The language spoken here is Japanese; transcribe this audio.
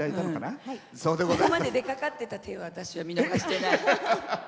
ここまで、出かかっていた手を私は見逃してない。